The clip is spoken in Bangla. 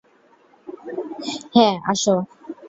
হ্যাঁ, আসো।